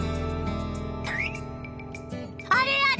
あれあれ？